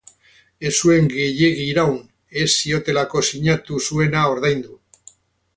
Ez zuen gehiegi iraun, ez ziotelako sinatu zuena ordaindu.